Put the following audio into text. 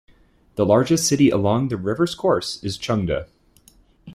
The largest city along the river's course is Chengde.